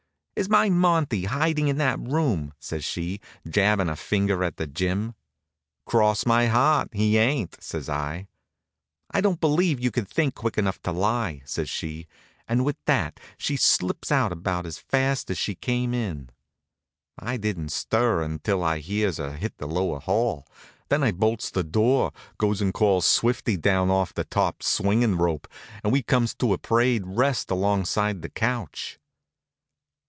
"Is my Monty hiding in that room?" says she, jabbin' a finger at the gym. "Cross my heart, he ain't," says I. "I don't believe you could think quick enough to lie," says she, and with that she flips out about as fast as she came in. I didn't stir until I hears her hit the lower hall. Then I bolts the door, goes and calls Swifty down off the top of the swingin' rope, and we comes to a parade rest alongside the couch.